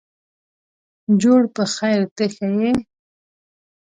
جوړ په خیرته ښه یې.